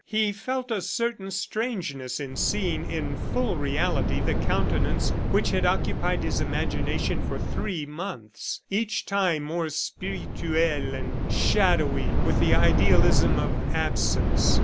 He felt a certain strangeness in seeing in full reality the countenance which had occupied his imagination for three months, each time more spirituelle and shadowy with the idealism of absence.